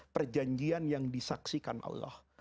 perjanjian yang disaksikan allah